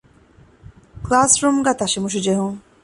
ކުލާސްރޫމްގައި ތަށިމުށިޖެހުން